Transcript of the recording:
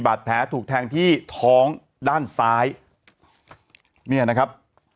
บาดแผลถูกแทงที่ท้องด้านซ้ายเนี่ยนะครับ